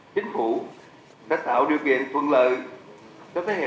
chính phủ đã tạo điều kiện thuận lợi